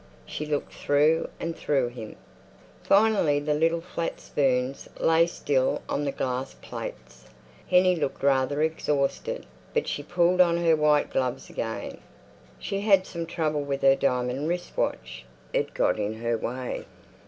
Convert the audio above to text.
She looked through and through him. Finally the little flat spoons lay still on the glass plates. Hennie looked rather exhausted, but she pulled on her white gloves again. She had some trouble with her diamond wrist watch; it got in her way.